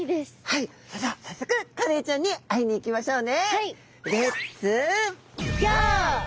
はいそれでは早速カレイちゃんに会いに行きましょうね。